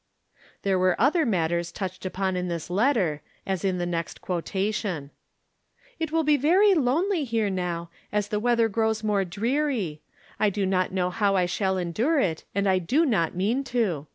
There were other matters touched upon in this letter, as in the nest quotation : "It will be Tery lonely here now, as the weather grows more dreary. I do not know how I shall endure it, and I do not mean to.